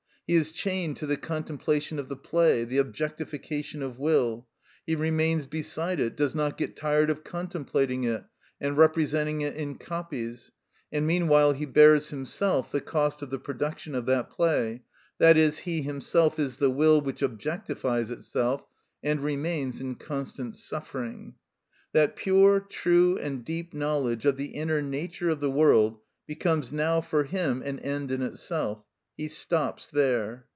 He is chained to the contemplation of the play, the objectification of will; he remains beside it, does not get tired of contemplating it and representing it in copies; and meanwhile he bears himself the cost of the production of that play, i.e., he himself is the will which objectifies itself, and remains in constant suffering. That pure, true, and deep knowledge of the inner nature of the world becomes now for him an end in itself: he stops there.